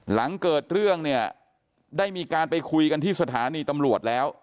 หลังเกิดเรื่องเนี่ยได้มีการไปคุยกันที่สถานีตำรวจแล้ว